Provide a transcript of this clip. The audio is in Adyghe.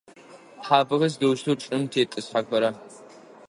Тхьапэхэр сыдэущтэу чӏым тетӏысхьэхэра?